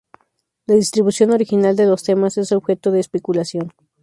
La distribución original de los temas es objeto de especulación.